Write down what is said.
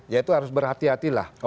ya itu harus berhati hatilah